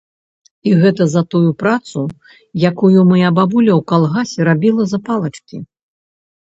І гэта за тую працу, якую мая бабуля ў калгасе рабіла за палачкі.